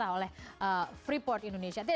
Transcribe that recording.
oleh freeport indonesia